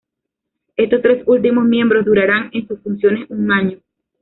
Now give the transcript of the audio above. Estos tres últimos miembros durarán en sus funciones un año.